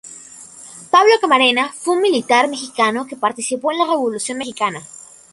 Pablo Camarena fue un militar mexicano que participó en la Revolución mexicana.